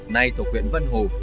nay thủ quyện vân hồ